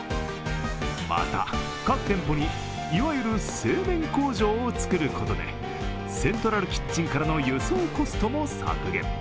また、各店舗にいわゆる製麺工場を作ることでセントラルキッチンからの輸送コストも削減。